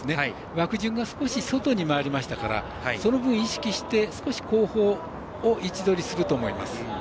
枠順が少し外に回りましたからその分を意識して少し後方を位置取りすると思います。